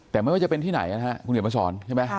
แต่ไม่ว่าจะเป็นที่ไหนนะครับคุณเขียนมาสอนใช่ไหม